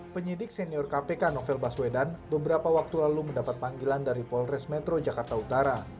penyidik senior kpk novel baswedan beberapa waktu lalu mendapat panggilan dari polres metro jakarta utara